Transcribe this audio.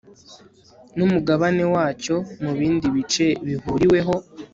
n umugabane wacyo mu bindi bice bihuriweho